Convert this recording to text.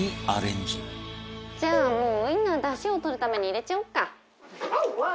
じゃあもうウインナーダシをとるために入れちゃおうか。